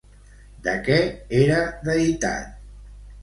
De què era deïtat?